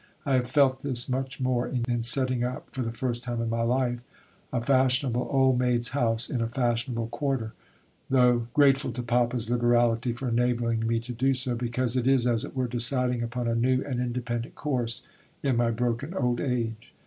I have felt this much more in setting up (for the first time in my life) a fashionable old maid's house in a fashionable quarter (tho' grateful to Papa's liberality for enabling me to do so), because it is, as it were, deciding upon a new and independent course in my broken old age....